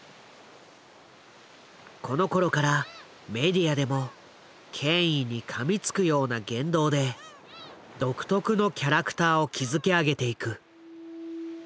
このころからメディアでも権威にかみつくような言動で独特のキャラクターを築き上げていく。